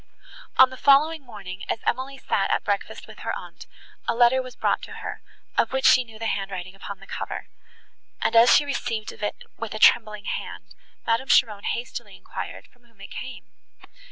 On the following morning, as Emily sat at breakfast with her aunt, a letter was brought to her, of which she knew the handwriting upon the cover; and, as she received it with a trembling hand, Madame Cheron hastily enquired from whom it came.